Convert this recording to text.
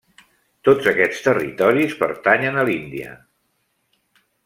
Tots aquests territoris pertanyen a l'Índia.